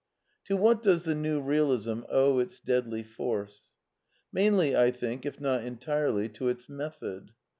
To what does the New Realism owe its deadly force t Mainly, I think, if not entirely, to its method.